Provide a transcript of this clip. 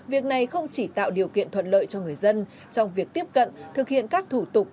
việc này không chỉ tạo điều kiện thuận lợi cho người dân trong việc tiếp cận thực hiện các thủ tục